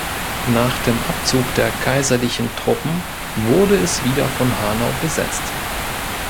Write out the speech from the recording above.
Nach dem Abzug der kaiserlichen Truppen wurde es wieder von Hanau besetzt.